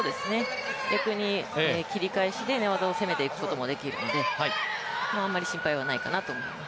逆に切り返しで寝技を攻めていくこともできるのであんまり心配はないかなと思います。